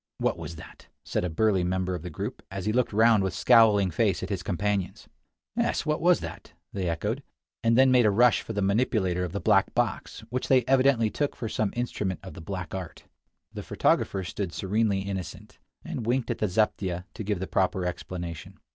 "What was that?" said a burly member of the group, as he looked round with scowling face at his companions. "Yes; what was that?" they echoed, and then made a rush for the manipulator of the black box, which they evidently took for some instrument of the black art. The photographer stood serenely innocent, and winked at the zaptieh to give the proper explanation.